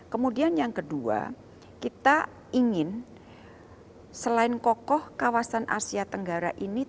kemudian yang kedua kita ingin selain kokoh kawasan asia tenggara ini